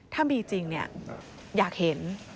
ถ้ามีจริงอยากเห็น